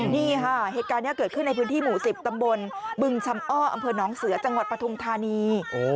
นี่ค่ะเหตุการณ์นี้เกิดขึ้นในพื้นที่หมู่๑๐ตำบลบึงชำอ้ออำเภอน้องเสือจังหวัดปทุมธานี